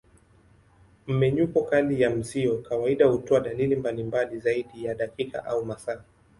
Mmenyuko kali ya mzio kawaida hutoa dalili mbalimbali zaidi ya dakika au masaa.